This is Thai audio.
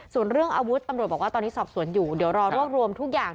ส่วนเรื่องอาวุธตำรวจบอกว่าตอนนี้สอบสวนอยู่เดี๋ยวรอรวบรวมทุกอย่าง